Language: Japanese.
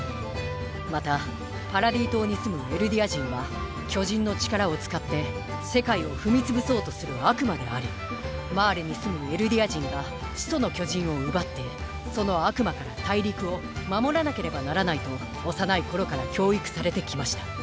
またパラディ島に住むエルディア人は巨人の力を使って世界を踏み潰そうとする悪魔でありマーレに住むエルディア人が「始祖の巨人」を奪ってその悪魔から大陸を守らなければならないと幼い頃から教育されてきました。